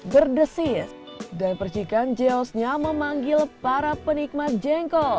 berdesis dan percikan geosnya memanggil para penikmat jengkol